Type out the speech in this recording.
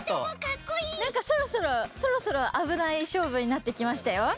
なんかそろそろそろそろあぶないしょうぶになってきましたよ。